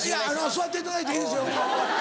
座っていただいていいですよ。